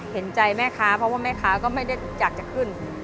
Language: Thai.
เห็นใจแม่ค้าเพราะว่าแม่ค้าก็ไม่ได้อยากจะขึ้น